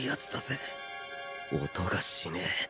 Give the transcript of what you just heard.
音がしねえ。